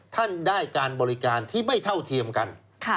ท่านได้การบริการที่ไม่เท่าเทียมกัน